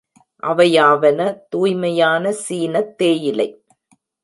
அவையாவன தூய்மையான சீனத் தேயிலை.